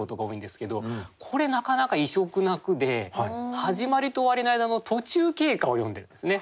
これなかなか異色な句で始まりと終わりの間の途中経過を詠んでるんですね。